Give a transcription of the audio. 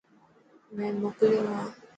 مين موڪليو هان.